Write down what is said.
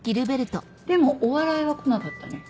でもお笑いは来なかったね。